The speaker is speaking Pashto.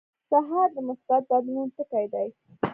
سهار د مثبت بدلون ټکي دي.